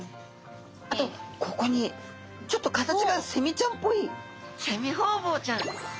あとここにちょっと形がセミちゃんっぽいセミホウボウちゃん。